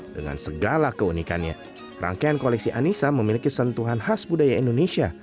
dengan segala keunikannya rangkaian koleksi anissa memiliki sentuhan khas budaya indonesia